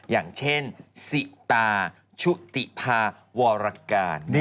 อย่างเช่นสิตาชุติภาวรการ